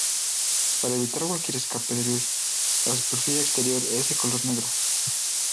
Para evitar cualquier escape de luz, la superficie exterior es de color negro.